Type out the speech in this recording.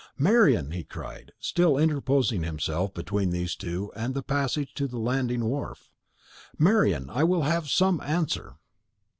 "Marian!" he cried, still interposing himself between these two and the passage to the landing wharf. "Marian, I will have some answer!"